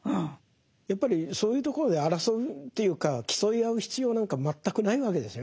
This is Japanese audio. やっぱりそういうところで争うというか競い合う必要なんか全くないわけですよね。